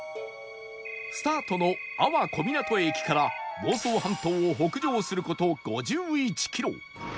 スタートの安房小湊駅から房総半島を北上する事５１キロ